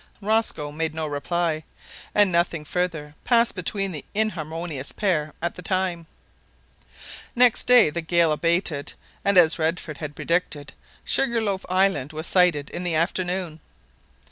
Rosco made no reply, and nothing further passed between the inharmonious pair at that time. Next day the gale abated, and, as Redford had predicted, Sugar loaf Island was sighted in the afternoon.